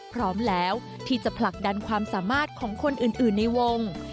พร้อมแล้วที่จะผลักดันความสามารถของคนอื่นในวง